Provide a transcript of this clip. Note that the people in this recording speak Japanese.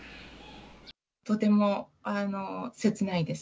とても切ないです。